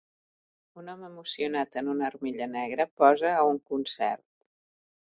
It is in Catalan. Un home emocionat en una armilla negra posa a un concert.